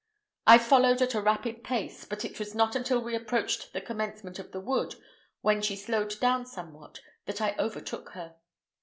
I followed at a rapid pace, but it was not until we approached the commencement of the wood, when she slowed down somewhat, that I overtook her.